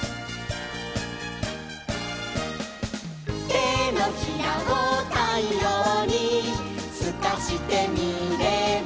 「てのひらをたいようにすかしてみれば」